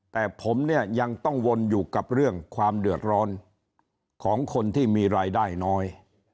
แต่ผมเนี่ยยังต้องวนอยู่กับเรื่องความเดือดร้อนของคนที่มีรายได้น้อย